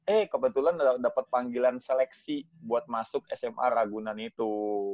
eh kebetulan dapat panggilan seleksi buat masuk sma ragunan itu